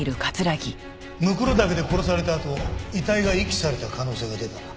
骸岳で殺されたあと遺体が遺棄された可能性が出た。